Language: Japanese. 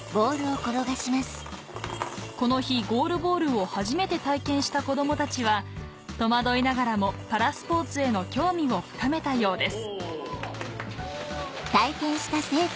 この日ゴールボールを初めて体験した子どもたちは戸惑いながらもパラスポーツへの興味を深めたようです